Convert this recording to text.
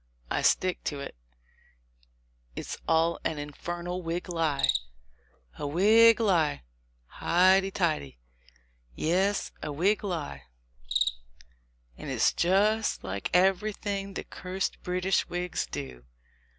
I stick to it, it's all an infernal Whig lie!" "A Whig lie ! Highty tighty !" "Yes, a Whig lie ; and it's just like everything the cursed British Whigs do.